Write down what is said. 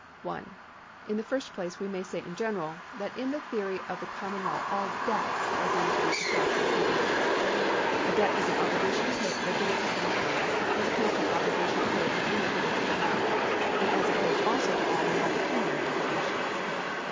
1. In the first place we may say in general, that in the theory of the common law all debts are deemed to be con tractual in origin. A debt is an obligation to pay a liquidated sum of money, as opposed to an obligation to pay an un liquidated amount, and as opposed also to all non pecuniary obligations.